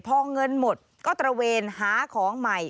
พอเงินหมดก็ตระเวนหาของใหม่